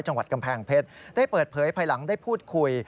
จังหวัดกำแพงเพชรได้เปิดเผยภายหลังได้พูดคุย